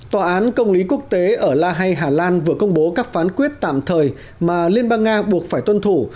tòa án công lý quốc tế ở la hay hà lan vừa công bố các phán quyết tạm thời mà liên bang nga buộc phải tuân thủ